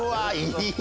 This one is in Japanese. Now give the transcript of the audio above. いい。